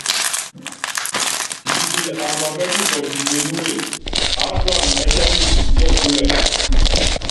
Kisikili ambanɛ́ kukɔtit mélúŋe, aátúana ɛ́tɛ́miti putiɛ́púlɛ.